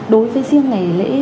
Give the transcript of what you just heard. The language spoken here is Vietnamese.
đối với riêng ngày lễ